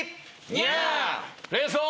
ニャー！